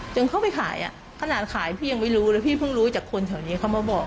เข้าไปขายอ่ะขนาดขายพี่ยังไม่รู้เลยพี่เพิ่งรู้จากคนแถวนี้เขามาบอก